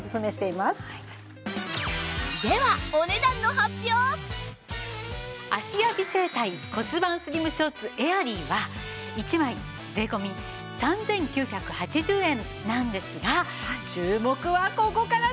では芦屋美整体骨盤スリムショーツエアリーは１枚税込３９８０円なんですが注目はここからです！